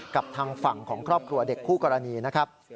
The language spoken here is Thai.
กับทางฝั่งของครอบครัวเด็กคู่กรณีนะครับ